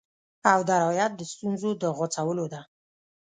او درایت د ستونزو د غوڅولو ده